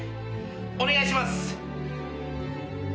お願いします！